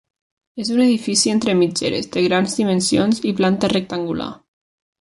És un edifici entre mitgeres, de grans dimensions i planta rectangular.